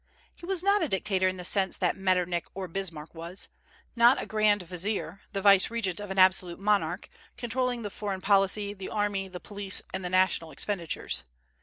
He was not a dictator in the sense that Metternich or Bismarck was, not a grand vizier, the vicegerent of an absolute monarch, controlling the foreign policy, the army, the police, and the national expenditures.